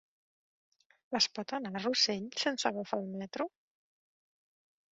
Es pot anar a Rossell sense agafar el metro?